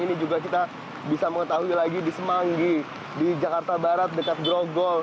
ini juga kita bisa mengetahui lagi di semanggi di jakarta barat dekat grogol